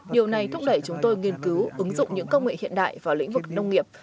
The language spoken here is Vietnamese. điều này thúc đẩy chúng tôi nghiên cứu ứng dụng những công nghệ hiện đại vào lĩnh vực nông nghiệp